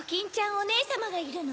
おねえさまがいるの？